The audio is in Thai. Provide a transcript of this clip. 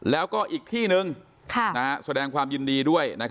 แล้วก็อีกที่นึงแสดงความยินดีด้วย